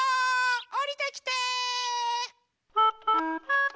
おりてきて！